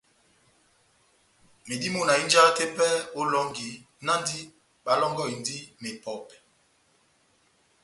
Medimɔ́ na hínjahani tepɛhɛ ó elɔngi, náhndi bálɔ́ngɔhindini mepɔpɛ́.